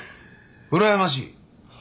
うらやましい！